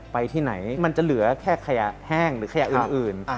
ไปที่ไหนมันจะเหลือแค่ขยะแห้งหรือขยะอื่น